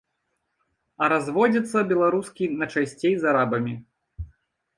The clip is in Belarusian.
А разводзяцца беларускі найчасцей з арабамі.